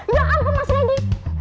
ya allah mas randy